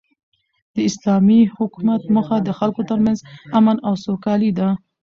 د اسلامي حکومت موخه د خلکو تر منځ امن او سوکالي ده.